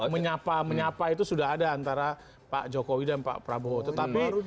menyapa menyapa itu sudah ada antara pak jokowi dan pak prabowo tetapi